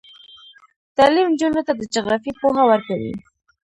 تعلیم نجونو ته د جغرافیې پوهه ورکوي.